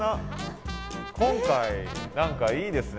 今回何かいいですね。